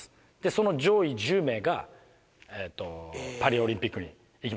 その上位１０名がパリオリンピックに行きます。